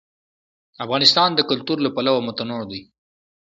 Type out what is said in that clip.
افغانستان د کلتور له پلوه متنوع دی.